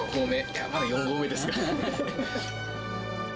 まだ４合目ですかね。